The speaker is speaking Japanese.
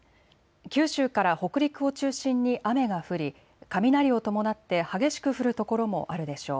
九州から北陸を中心に雨が降り雷を伴って激しく降る所もあるでしょう。